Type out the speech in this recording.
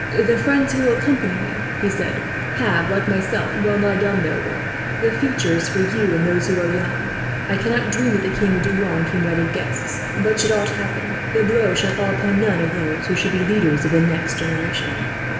"'The friends who will accompany me,' he said, 'have, like myself, well nigh done their work. The future is for you and those who are young. I cannot dream that the king would do wrong to invited guests; but should aught happen, the blow shall fall upon none of those who should be the leaders of the next generation.'"